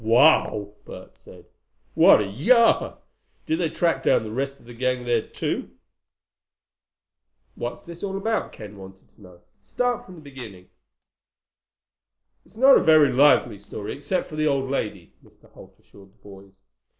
"Wow!" Bert said. "What a yarn! Did they track down the rest of the gang then too?" "What's this all about?" Ken wanted to know. "Start from the beginning." "It's not a very lively story, except for the old lady," Mr. Holt assured the boys.